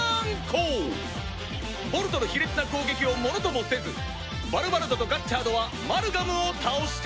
ボルトの卑劣な攻撃をものともせずヴァルバラドとガッチャードはマルガムを倒した